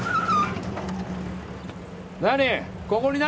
何？